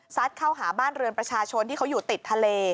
เข้าหาบ้านเรือนประชาชนที่เขาอยู่ติดทะเล